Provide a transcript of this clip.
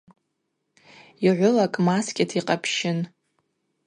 Йгӏвылакӏ маскӏьата йкъапщын.